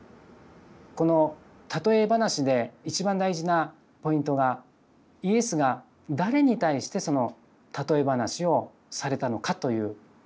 このたとえ話で一番大事なポイントがイエスが誰に対してそのたとえ話をされたのかという。